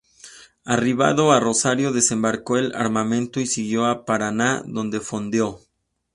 Arribado a Rosario desembarcó el armamento y siguió a Paraná, donde fondeó.